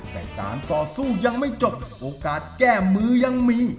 แต่การต่อสู้ยังไม่จบโอกาสแก้มือยังมี